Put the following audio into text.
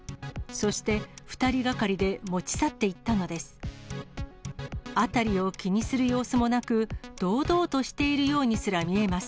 そして２人がかりで持ち去っていったのです。